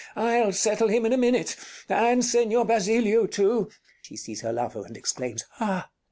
I'll settle him in a minute and Señor Basilio too. [She sees her lover and exclaims:] Ah!